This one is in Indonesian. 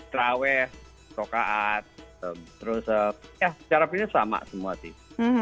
traweh sokaat terus ya secara prinsip sama semua sih